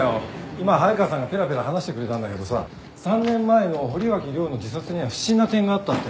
今早川さんがぺらぺら話してくれたんだけどさ３年前の堀脇涼の自殺には不審な点があったって。